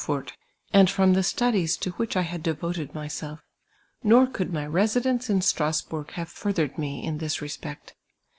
fort, and from the studies to wliicli I had devoted myself; nor could my residence in Strasbur^ have furthcied me in this respeet.